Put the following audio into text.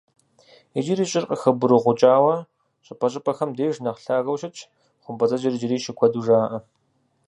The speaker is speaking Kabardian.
Иджыри щӀыр къыхэбыргъукӀауэ, щӀыпӀэщӀыпӀэхэм деж нэхъ лъагэу щытщ, хъумпӀэцӀэджыр иджыри щыкуэду жаӀэ.